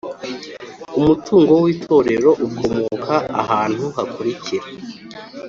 Umutungo w’itorero ukomoka ahantu hakurikira